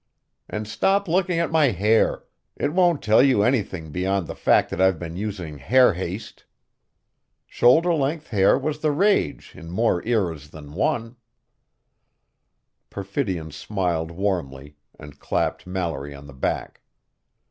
And stop looking at my hair it won't tell you anything beyond the fact that I've been using Hair haste. Shoulder length hair was the rage in more eras than one." Perfidion smiled warmly, and clapped Mallory on the back.